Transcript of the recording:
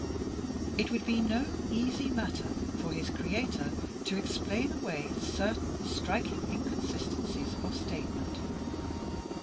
It would be no easy matter for his creator to explain away certain striking inconsistencies of statement.